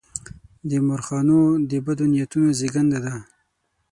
د مورخانو د بدو نیتونو زېږنده ده.